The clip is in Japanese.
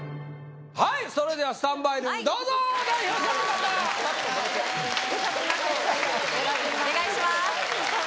はいそれではスタンバイルームどうぞ代表者の方お願いします